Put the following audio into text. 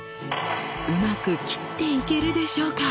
うまく切っていけるでしょうか？